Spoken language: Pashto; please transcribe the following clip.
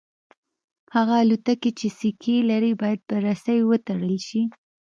هغه الوتکې چې سکي لري باید په رسۍ وتړل شي